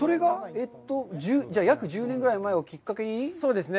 それが約１０年ぐらい前をきっかけに？